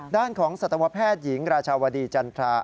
ด้านของสัตวแพทย์หญิงราชาวดีจันทรา